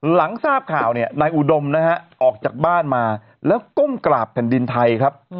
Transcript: หลังทราบข่าวเนี่ยนายอุดมนะฮะออกจากบ้านมาแล้วก้มกราบแผ่นดินไทยครับ